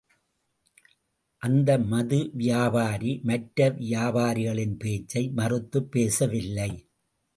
அந்த மது வியாபாரி, மற்ற வியாபாரிகளின் பேச்சை, மறுத்துப் பேசவில்லை.